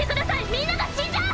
みんなが死んじゃう！